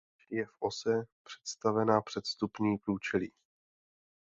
Věž je v ose představena před vstupní průčelí.